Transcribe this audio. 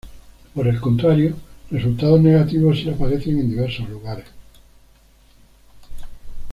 Por el contrario resultados negativos sí aparecen en diversos lugares.